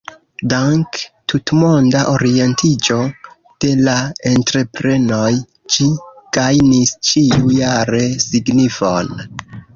Dank tutmonda orientiĝo de la entreprenoj ĝi gajnis ĉiu-jare signifon.